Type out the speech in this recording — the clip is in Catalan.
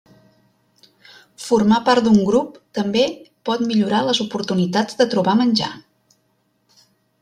Formar part d'un grup també pot millorar les oportunitats de trobar menjar.